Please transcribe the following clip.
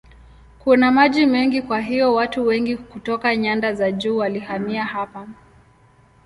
Kuna maji mengi kwa hiyo watu wengi kutoka nyanda za juu walihamia hapa.